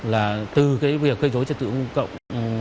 là từ cái việc gây dối trật tự công cộng